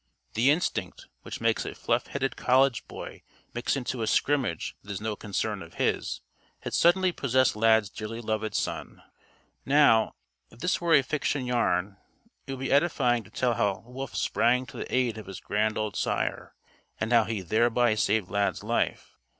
The instinct, which makes a fluff headed college boy mix into a scrimmage that is no concern of his, had suddenly possessed Lad's dearly loved son. Now, if this were a fiction yarn, it would be edifying to tell how Wolf sprang to the aid of his grand old sire and how he thereby saved Lad's life.